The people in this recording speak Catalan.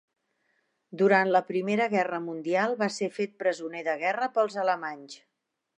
Durant la Primera Guerra Mundial va ser fet presoner de guerra pels alemanys.